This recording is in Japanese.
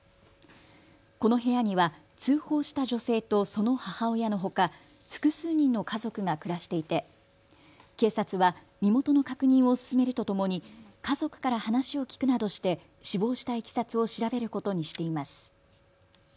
この部屋には通報した女性とその母親のほか、複数人の家族が暮らしていて警察は身元の確認を進めるとともに家族から話を聞くなどして死亡したいきさつを調べることにしています。